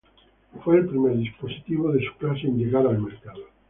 Fue el primer dispositivo de su clase en llegar al mercado.